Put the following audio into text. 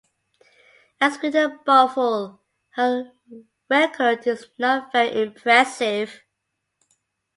As with the "Buffel," her record is not very impressive.